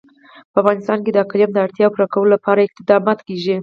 په افغانستان کې د اقلیم د اړتیاوو پوره کولو لپاره اقدامات کېږي.